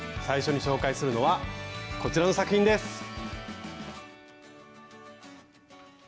最初に紹介するのはこちらの作品です。